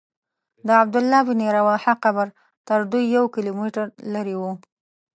د عبدالله بن رواحه قبر تر دوی یو کیلومتر لرې و.